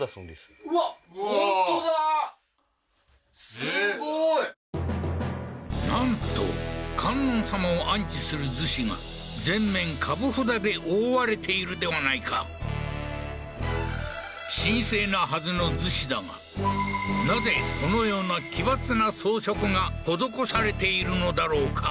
すごいなんと観音さまを安置する厨子が全面株札で覆われているではないか神聖なはずの厨子だがなぜこのような奇抜な装飾が施されているのだろうか？